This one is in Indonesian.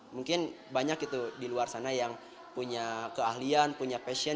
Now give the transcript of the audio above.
mungkin banyak di luar sana yang punya keahlian punya passion